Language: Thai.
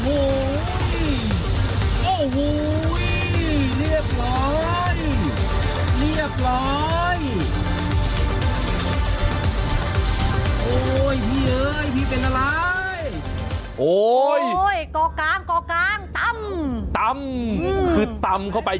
โอ้ยพี่เอ๋ยพี่เป็นอะไรโอ้ยกอกกางกอกกางตั้มตั้มอืมคือตั้มเข้าไป